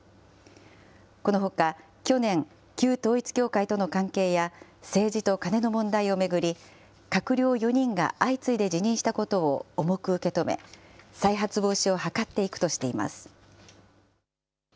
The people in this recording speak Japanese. このほか去年、旧統一教会との関係や政治とカネの問題を巡り、閣僚４人が相次いで辞任したことを重く受け止め、再発防止を図っていくとしています。